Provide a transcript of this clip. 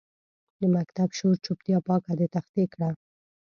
د مکتب شور چوپتیا پاکه د تختې کړه